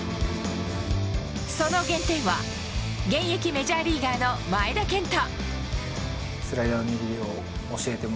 その原点は現役メジャーリーガーの前田健太。